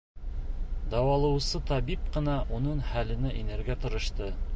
Дауалаусы табип ҡына уның хәленә инергә тырышты.